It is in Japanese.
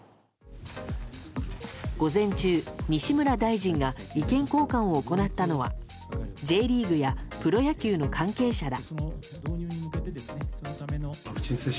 午前中、西村大臣が意見交換を行ったのはＪリーグやプロ野球の関係者ら。